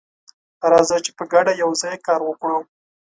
راځه چې په ګډه یوځای کار وکړو.